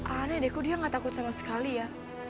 aneh deh kok dia nggak takut sama sekali ya